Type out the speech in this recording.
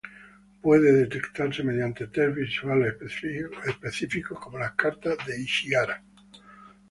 Puede detectarse mediante test visuales específicos como las cartas de Ishihara.